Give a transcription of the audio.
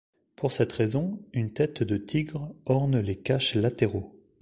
Pour cette raison, une tête de tigre orne les caches latéraux.